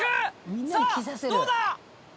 さあ、どうだ？